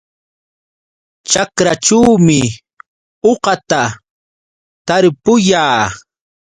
Ćhakraćhuumi uqata tarpuyaa.